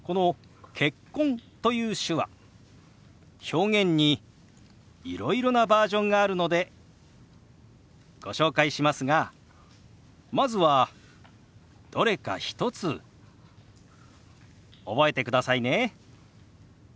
表現にいろいろなバージョンがあるのでご紹介しますがまずはどれか１つ覚えてくださいね。